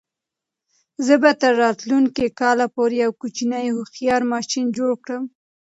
زه به تر راتلونکي کال پورې یو کوچنی هوښیار ماشین جوړ کړم.